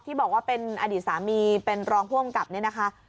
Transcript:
ที่บอกว่าเป็นอดีตสามีเป็นรองผู้กำกับเนี่ยนะคะ